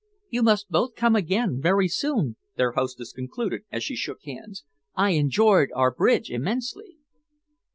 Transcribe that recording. "You must both come again very soon," their hostess concluded, as she shook hands. "I enjoyed our bridge immensely."